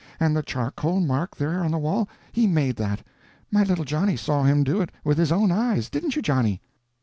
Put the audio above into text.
And the charcoal mark there on the wall—he made that. My little Johnny saw him do it with his own eyes. Didn't you, Johnny?"